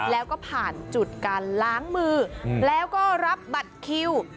แล้วก็ผ่านจุดการล้างมือแล้วก็รับบัตรคิว